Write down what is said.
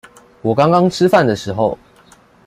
我剛剛吃飯的時候